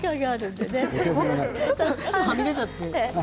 ちょっとはみ出ちゃってる。